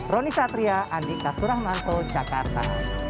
roni satria andika suramanto jakarta